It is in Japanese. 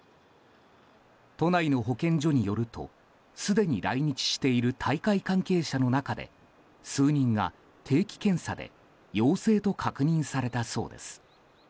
都内の保健所によるとすでに来日している大会関係者の中で数人が、定期検査で陽性と確認されたそうです。